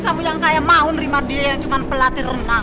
kamu yang kaya mau nerima dia yang cuma pelatih renang